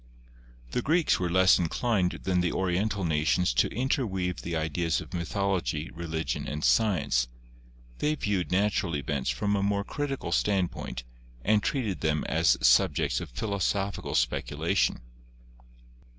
The Greeks were less inclined than the Oriental nations to interweave the ideas of mythology, religion and science. They viewed natural events from a more critical stand point and treated them as subjects of philosophical specu lation.